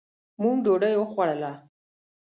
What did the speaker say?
مونږ ډوډي وخوړله